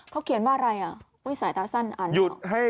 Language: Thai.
เขาเขียนว่าอะไรอ่ะสายตาสั้นอ่านแล้ว